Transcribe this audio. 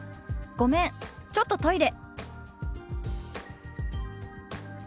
「ごめんちょっとトイレ」。